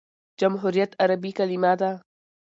جمهوریت عربي کلیمه ده.